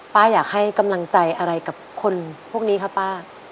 อยากให้กำลังใจอะไรกับคนพวกนี้ครับป้า